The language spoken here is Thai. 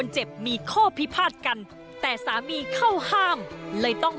จากไหนจากไหน